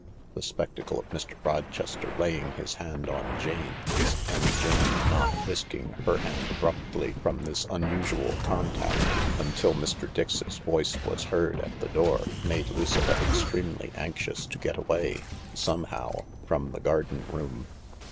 The spectacle of Mr. Roches ter laying his hand on Jane's, and Jane not whisking her hand abruptly from this unusual contact until Mr. Dix's THE LARK voice was heard at the door, made Lucilla extremely anxious to get away, somehow, from the garden room.